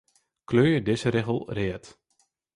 Kleurje dizze rigel read.